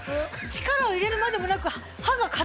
力を入れるまでもなく。